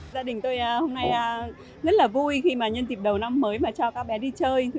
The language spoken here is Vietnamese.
gia đình tôi hôm nay rất vui khi nhân tịp đầu năm mới cho các bé đi chơi